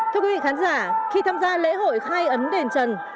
thưa quý vị khán giả khi tham gia lễ hội khai ấn đền trần